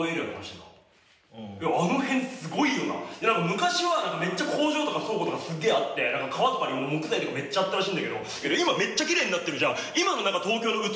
昔はめっちゃ工場とか倉庫とかすっげえあって何か川とかにも木材とかめっちゃあったらしいんだけどいまめっちゃきれいになってるじゃん。